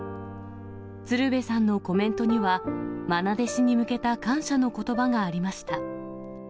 鶴瓶さんのコメントには、まな弟子に向けた感謝のことばがありました。